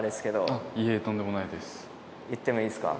言ってもいいですか？